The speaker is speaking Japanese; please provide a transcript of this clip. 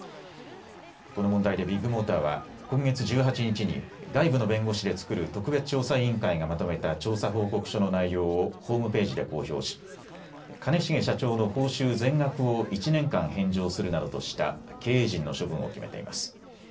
この問題でビッグモーターは今月１８日に外部の弁護士で作る特別調査委員会がまとめた調査報告書の内容をホームページで公表し兼重社長の報酬全額を１年間返上するなどとした経営陣の処分を決めています。